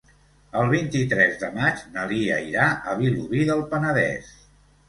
El vint-i-tres de maig na Lia irà a Vilobí del Penedès.